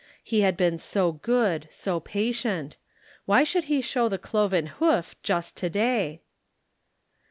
He had been so good, so patient. Why should he show the cloven hoof just to day?